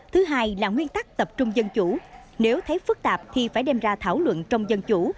thứ hai là nguyên tắc tập trung dân chủ nếu thấy phức tạp thì phải đem ra thảo luận trong dân chủ